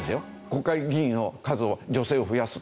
国会議員の数を女性を増やすと。